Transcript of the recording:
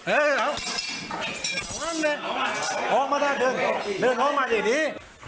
เอ้ยเอาเอามาได้เดินออกมาได้เดินออกมาได้อย่างนี้